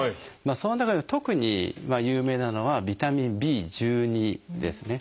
その中で特に有名なのはビタミンＢですね。